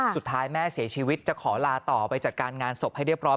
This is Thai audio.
สุดท้ายแม่เสียชีวิตจะขอลาต่อไปจัดการงานศพให้เรียบร้อ